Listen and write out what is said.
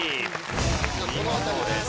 見事です。